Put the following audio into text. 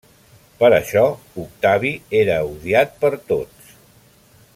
Per això, Octavi era odiat per tots.